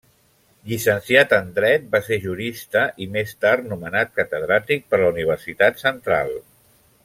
Llicenciat en dret, va ser jurista i més tard nomenat catedràtic per la Universitat Central.